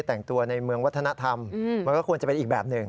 แต่งตัวในเมืองวัฒนธรรมมันก็ควรจะเป็นอีกแบบหนึ่ง